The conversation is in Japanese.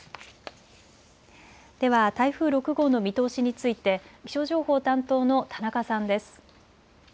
では台風６号の見通しについて気象情報担当の田中さんです。